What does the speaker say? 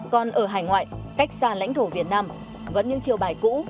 còn ở hải ngoại cách xa lãnh thổ việt nam vẫn như chiều bài cũ